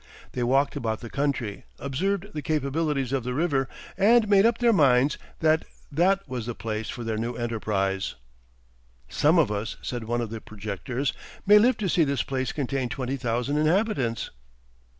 They walked about the country, observed the capabilities of the river, and made up their minds that that was the place for their new enterprise. "Some of us," said one of the projectors, "may live to see this place contain twenty thousand inhabitants."